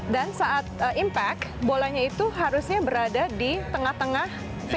dan saat impact bolanya itu harusnya berada di tengah tengah face